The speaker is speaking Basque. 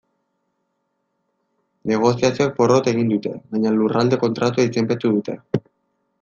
Negoziazioek porrot egin dute, baina Lurralde Kontratua izenpetu dute.